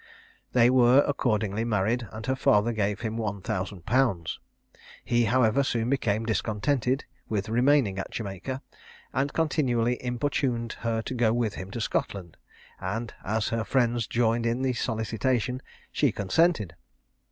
They were accordingly married, and her father gave him one thousand pounds. He, however, soon became discontented with remaining at Jamaica, and continually importuned her to go with him to Scotland; and as her friends joined in the solicitation, she consented.